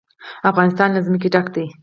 افغانستان له ځمکه ډک دی.